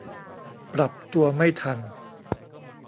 ปรับตัวไม่ทัน